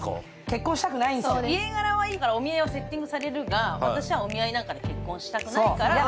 家柄はいいからお見合いをセッティングされるが私はお見合いなんかで結婚したくないから。